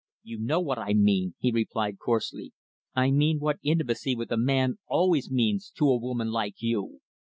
"You know what I mean," he replied coarsely. "I mean what intimacy with a man always means to a woman like you."